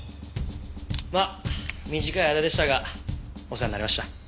まあ短い間でしたがお世話になりました。